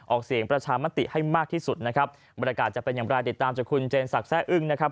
ออกเสียงประชามติให้มากที่สุดนะครับบรรยากาศจะเป็นอย่างไรติดตามจากคุณเจนศักดิ์แซ่อึ้งนะครับ